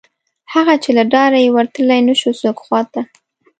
هغه، چې له ډاره یې ورتلی نشو څوک خواته